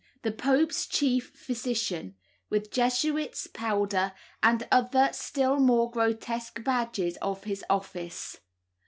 The Pope's chief physician, with Jesuits' powder and other still more grotesque badges of his office.